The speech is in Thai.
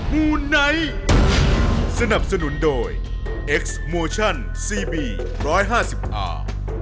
มูไนท์สนับสนุนโดยเอ็กซ์โมชั่นซีบีร้อยห้าสิบอ่า